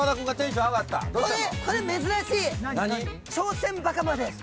これ珍しい！